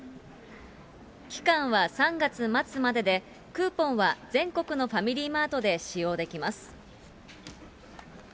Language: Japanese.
期間は３月末までで、クーポンは全国のファミリーマートで使用できます。